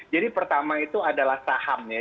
jadi pertama itu adalah saham ya